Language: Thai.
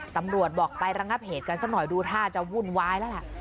ตำรวจบอกไประงับเหตุกันสักหน่อยดูท่าจะวุ่นวายแล้วล่ะ